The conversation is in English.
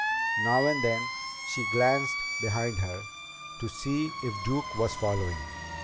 Now and then she glanced behind her to see if Duke was following.